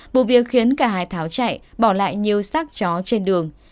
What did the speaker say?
vụ việc khiến cả hải tháo chạy bỏ lại nhiều xác chó trên đường